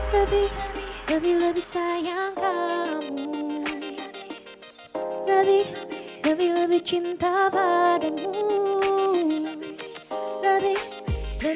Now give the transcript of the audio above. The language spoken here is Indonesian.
lebih lebih cinta padamu